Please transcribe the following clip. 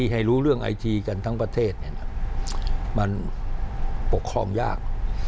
ให้รู้เรื่องไอจีกันทั้งประเทศมันปกครองยาก